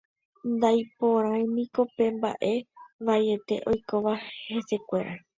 Naiporãiniko pe mbaʼe vaiete oikóva hesekuéra.